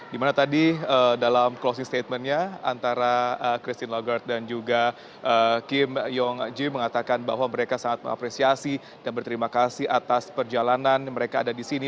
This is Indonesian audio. dimana tadi dalam closing statementnya antara christine lagarde dan juga kim yong jui mengatakan bahwa mereka sangat mengapresiasi dan berterima kasih atas perjalanan mereka ada di sini